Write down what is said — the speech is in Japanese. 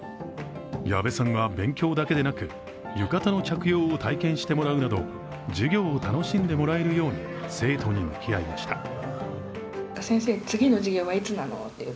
矢部さんは勉強だけでなく浴衣の着用を体験してもらうなど授業を楽しんでもらえるように生徒に向き合いました。